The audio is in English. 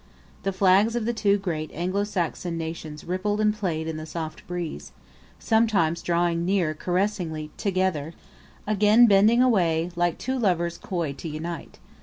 The flags of the two great Anglo Saxon nations rippled and played in the soft breeze, sometimes drawing near caressingly together, again bending away, like two lovers coy to unite.